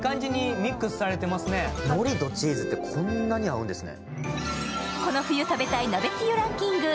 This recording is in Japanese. のりとチーズって、こんなに合うんですね。